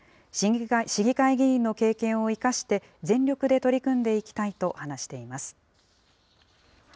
市議会議員の経験を生かして、全力で取り組んでいきたいと話しています。